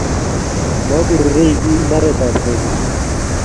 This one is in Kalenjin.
MakurureI kiy mbaret ab kogo